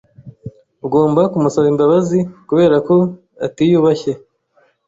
Ugomba kumusaba imbabazi kuberako atiyubashye.